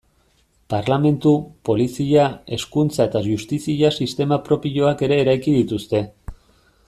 Parlementu, polizia, hezkuntza eta justizia sistema propioak ere eraiki dituzte.